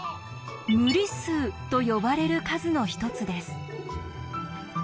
「無理数」と呼ばれる数の一つです。